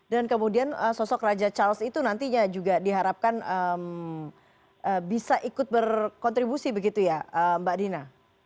dan kemudian sosok raja charles itu nantinya juga diharapkan bisa ikut berkontribusi begitu ya mbak dina